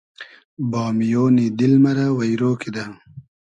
بامیۉنی دیل مۂ رۂ وݷرۉ کیدۂ